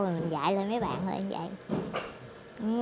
mình dạy cho mấy bạn